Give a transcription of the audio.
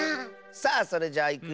さあそれじゃいくよ。